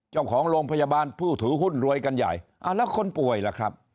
เจ้าของโรงพยาบาลผู้ถือหุ้นรวยกันใหญ่อ่าแล้วคนป่วยล่ะครับ